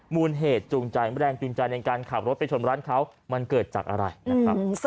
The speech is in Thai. มูลเหตุจูงใจแรงจูงใจในการขับรถไปชนร้านเขามันเกิดจากอะไรนะครับ